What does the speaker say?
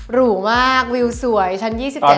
หรูมากวิวสวยชั้น๒๗